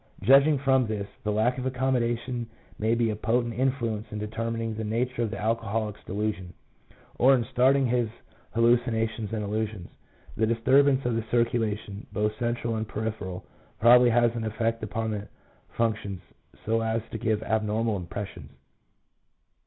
Judging from this, the lack of accommodation may be a potent influence in determining the nature of the alcoholic's delusions, or in starting his hallucina tions and illusions. The disturbance of the circulation, both central and peripheral, probably has an effect upon the functions, so as to give abnormal impressions.